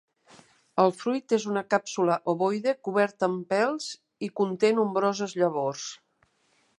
El fruit és una càpsula ovoide coberta amb pèls i conté nombroses llavors.